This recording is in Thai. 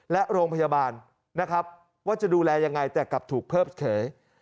และโรงพยาบาลนะครับว่าจะดูแลยังไงแต่กลับถูกเพิกเฉย